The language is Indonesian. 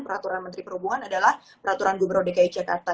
peraturan menteri perhubungan adalah peraturan gubernur dki jakarta